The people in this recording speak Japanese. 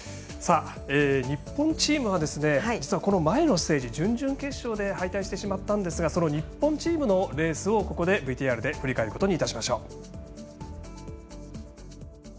日本チームは実は、この前のステージ準々決勝で敗退してしまったんですがその日本チームのレースをここでＶＴＲで振り返ります。